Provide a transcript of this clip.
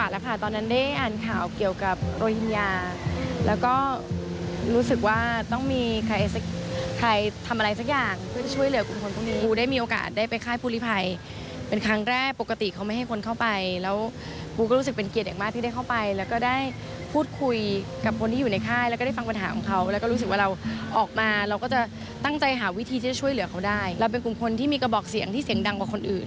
เราเป็นกลุ่มคนที่มีกระบอกเสียงที่เสียงดังกว่าคนอื่น